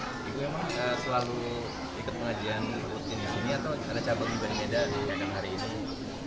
ibu emang selalu ikut pengajian di sini atau ada cabang di medan di hadapan hari ini